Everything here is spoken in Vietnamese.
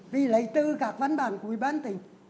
vì lấy tư các văn bản của ubnd